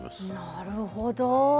なるほど。